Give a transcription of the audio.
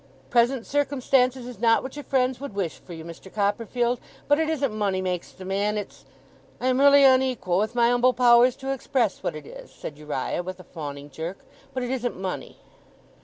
'Present circumstances is not what your friends would wish for you, Mister Copperfield, but it isn't money makes the man: it's I am really unequal with my umble powers to express what it is,' said Uriah, with a fawning jerk, 'but it isn't money!